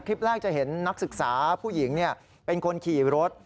คลิปแรกจะเห็นนักศึกษาผู้หญิงเป็นคนขี่รถ